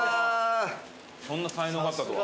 そんな才能があったとは。